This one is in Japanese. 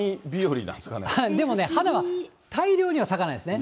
でもね花は大量には咲かないですね。